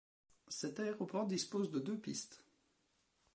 Cet aéroport dispose de deux pistes.